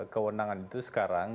kewenangan itu sekarang